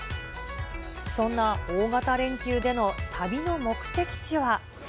そんな大型連休での旅の目的地は。